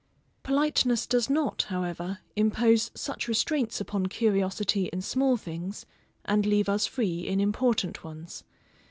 Politeness does not, however, impose such restraints upon curiosity in small things, and leave us free in important ones.